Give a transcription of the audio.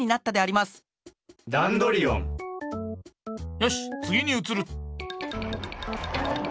よしつぎにうつる！